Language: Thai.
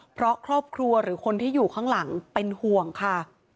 เพราะครอบครัวหรือคนที่อยู่ข้างหลังเป็นห่วงค่ะ